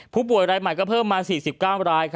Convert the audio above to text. ผู้ป่วยรายใหม่ก็เพิ่มมา๔๙ราย